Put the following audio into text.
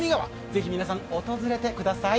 ぜひ皆さん、訪れてください。